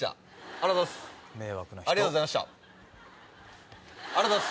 ありがとうございます！